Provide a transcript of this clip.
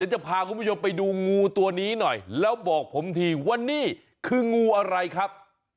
จะพาคุณผู้ชมไปดูงูตัวนี้หน่อยแล้วบอกผมทีว่านี่คืองูอะไรครับ